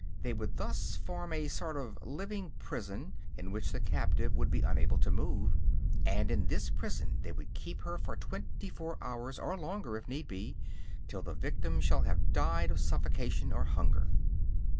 They would thus form a sort of living prison in which the captive would be unable to move; and in this prison they would keep her for twenty four hours, or longer if need be, till the victim shall have died of suffocation or hunger.